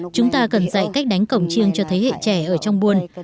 chúng ta cần dạy cách đánh cổng chiêng cho thế hệ trẻ ở trong buôn